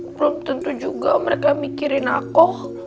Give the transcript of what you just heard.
belum tentu juga mereka mikirin ako